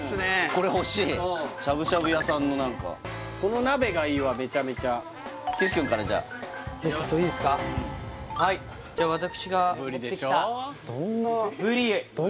これほしいしゃぶしゃぶ屋さんの何かこの鍋がいいわめちゃめちゃ岸くんからじゃいいですかはいじゃ私が持ってきたブリブリでしょ？